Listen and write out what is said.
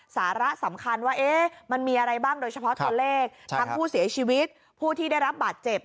สาระสำคัญว่ามันมีอะไรบ้างโดยเฉพาะตัวเลขทั้งผู้เสียชีวิตผู้ที่ได้รับบาดเจ็บ